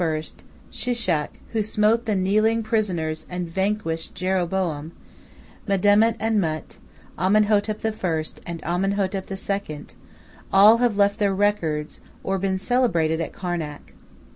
Shishak, who smote the kneeling prisoners and vanquished Jeroboam, Medamut and Mut, Amenhotep I., and Amenhotep II. all have left their records or been celebrated at Karnak.